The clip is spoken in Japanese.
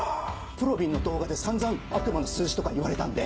ぷろびんの動画で散々悪魔の数字とか言われたんで。